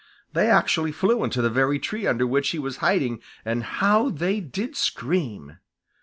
They actually flew into the very tree under which he was hiding, and how they did scream!